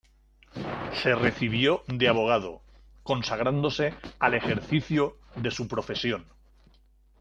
Se recibió de abogado, consagrándose al ejercicio de su profesión.